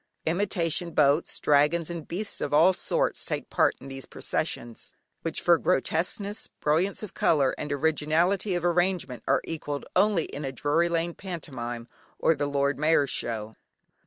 Imitation boats, dragons and beasts of all sorts take part in these processions, which for grotesqueness, brilliance of colour, and originality of arrangement are equalled only in a Drury Lane pantomime or the Lord Mayor's Show.